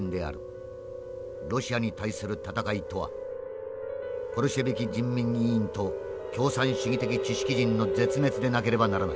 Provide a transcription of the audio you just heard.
ロシアに対する戦いとはボルシェビキ人民議員と共産主義的知識人の絶滅でなければならない。